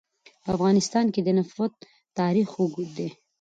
په افغانستان کې د نفت تاریخ اوږد دی.